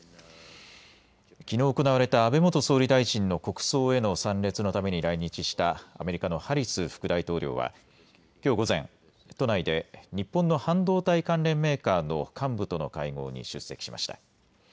きのう行われた安倍元総理大臣の国葬への参列のために来日したアメリカのハリス副大統領はきょう午前、都内で日本の半導体関連メーカーの幹部との会合に出席しました。